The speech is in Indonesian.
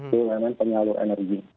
jadi memang penyalur energi